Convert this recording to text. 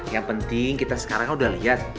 yang penting kita sekarang udah lihat